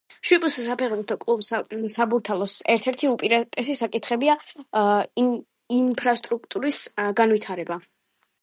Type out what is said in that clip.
შპს საფეხბურთო კლუბ „საბურთალოს“ ერთ-ერთი უპირატესი საკითხია ინფრასტრუქტურის განვითარება.